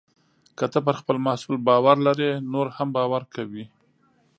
که ته پر خپل محصول باور لرې، نور هم باور کوي.